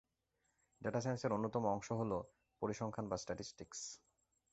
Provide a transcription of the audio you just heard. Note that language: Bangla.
ডেটা সাইন্সের অন্যতম অংশ হোল পরিসংখ্যান বা স্ট্যাটিস্টিক্স।